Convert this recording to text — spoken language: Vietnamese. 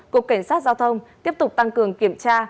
cục cảnh sát giao thông tiếp tục tăng cường kiểm tra